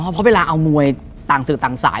เพราะเวลาเอามวยต่างสื่อต่างสาย